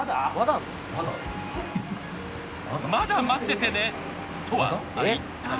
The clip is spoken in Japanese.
まだ待っててねとはいったい。